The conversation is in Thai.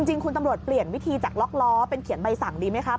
จริงคุณตำรวจเปลี่ยนวิธีจากล็อกล้อเป็นเขียนใบสั่งดีไหมครับ